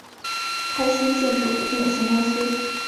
开心建设股份有限公司